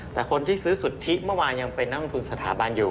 แต่คนที่ซื้อสุทธิเมื่อวานยังเป็นนักลงทุนสถาบันอยู่